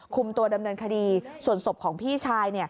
คุมตัวดำเนินคดีส่วนศพของพี่ชาย